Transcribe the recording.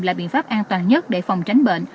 là biện pháp an toàn nhất để phòng tránh bệnh